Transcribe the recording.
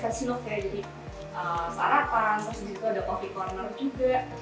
jadi sarapan terus di situ ada coffee corner juga